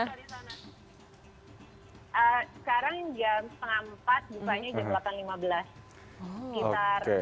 sekarang jam setengah empat bukanya jam delapan lima belas sekitar